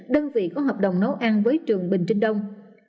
đơn vị có hợp đồng nấu ăn với trường bình trinh đông